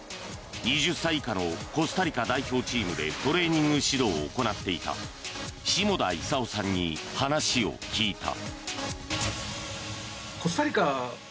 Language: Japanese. ２０歳以下のコスタリカ代表チームでトレーニング指導を行っていた下田功さんに話を聞いた。